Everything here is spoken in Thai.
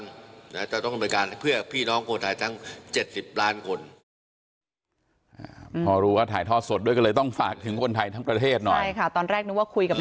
เราตอนแรกนึกว่าคุยกับนักข่าวอย่างนี้